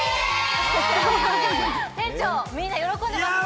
店長、みんな喜んでますね。